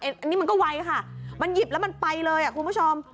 อันนี้มันก็ไวค่ะมันหยิบแล้วมันไปเลยคุณผู้ชม